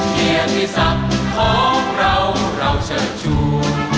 เพียงที่สักของเราเราเชิญชู